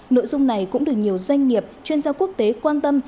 nội dung này cũng được nhiều doanh nghiệp chuyên gia quốc tế quan tâm